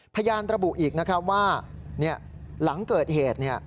พยานตระบุอีกว่าหลังเกิดเหตุ